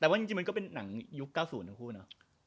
แต่ว่าจริงมันก็เป็นหนังยุค๙๐ทั้งคู่เนอะ